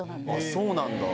そうなんだ。